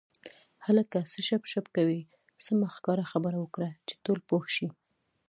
هلکه څه شپ شپ کوې سمه ښکاره خبره وکړه چې ټول پوه شي.